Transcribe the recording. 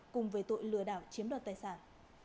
cùng với tội lừa đảo chiếm đoạt tài sản